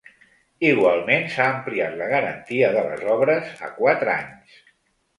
Igualment, s’ha ampliat la garantia de les obres a quatre anys.